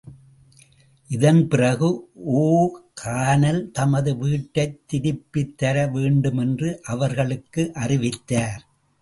இதன் பிறகு ஓ கானல் தமது வீட்டைத் திருப்பித்தர வேண்டுமென்று அவர்களுக்கு அறிவித்தார்.